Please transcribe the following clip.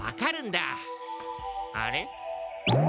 あれ？